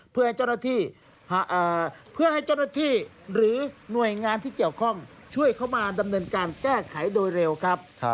เพื่อให้เจ้าหน้าที่หรือหน่วยงานที่เจียวค่องช่วยเข้ามาดำเนินการแก้ไขโดยเร็วครับ